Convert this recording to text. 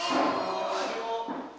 selamat pagi om